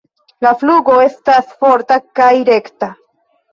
La flugo estas forta kaj rekta.